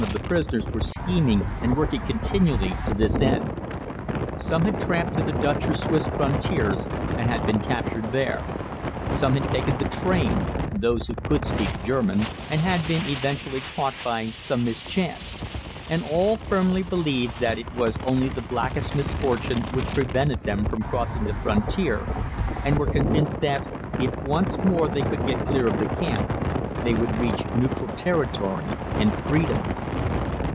of the prisoners were scheming and working continually to this end. Some had tramped to the Dutch or Swiss frontiers and had been captured there; some had taken the train (those who could speak German) and had been eventually caught by some mischance; and all firmly believed that it was only the blackest misfortune which had prevented them from crossing the frontier, and were convinced that, if once more they could get clear of the camp, they would reach neutral territory and freedom.